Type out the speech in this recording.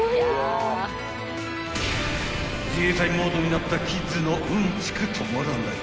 ［自衛隊モードになったキッズのうんちく止まらない］